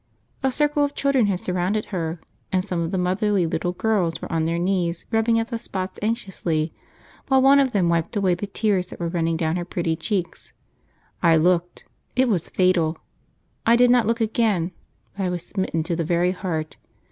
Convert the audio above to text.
A circle of children had surrounded her, and some of the motherly little girls were on their knees rubbing at the spots anxiously, while one of them wiped away the tears that were running down her pretty cheeks. I looked! It was fatal! I did not look again, but I was smitten to the very heart!